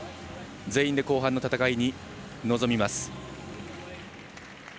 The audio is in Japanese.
全員で後半の戦いに臨みます。